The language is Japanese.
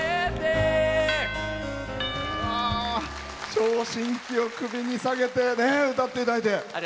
聴診器を首にさげて歌っていただいて。